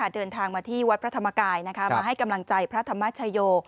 เดินทางมาที่วัดพระธรรมกายมาให้กำลังใจพระธรรมชโย